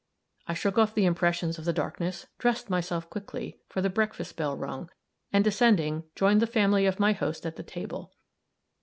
I shook off the impressions of the darkness, dressed myself quickly, for the breakfast bell rung, and descending, joined the family of my host at the table.